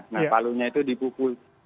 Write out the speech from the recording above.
nah palunya itu dipukul